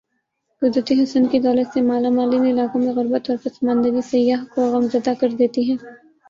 قدرتی حسن کی دولت سے مالا مال ان علاقوں میں غر بت اور پس ماندگی سیاح کو غم زدہ کر دیتی ہے ۔